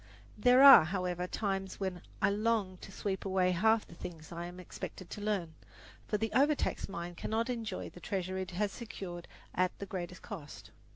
There are, however, times when I long to sweep away half the things I am expected to learn; for the overtaxed mind cannot enjoy the treasure it has secured at the greatest cost.